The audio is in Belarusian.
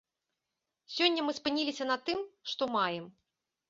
Сёння мы спыніліся на тым, што маем.